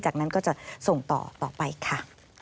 จากนั้นก็จะส่งต่อต่อไปค่ะ